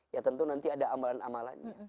ya tentu nanti ada amalan amalannya